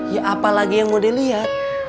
ya apalagi yang mau dilihat